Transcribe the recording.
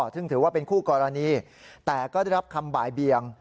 ซึ่งถือว่าเป็นคู่กรณีแต่ก็ได้รับคำบ่ายเบียง